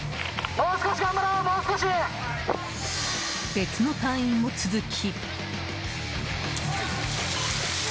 別の隊員も続き。